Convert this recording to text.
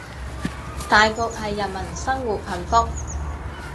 大局係人民生活幸福